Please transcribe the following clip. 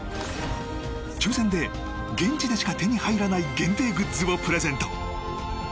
抽選で、現地でしか手に入らない限定グッズをプレゼント。